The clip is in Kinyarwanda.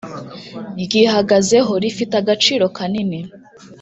ryihagazeho: rifite agaciro kanini.